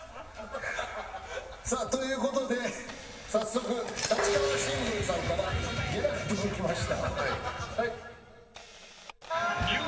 さあという事で早速『立川新聞』さんからゲラが届きました。